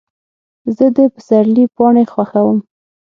زه د پسرلي پاڼې خوښوم.